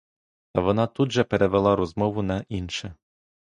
Та вона тут же перевела розмову на інше.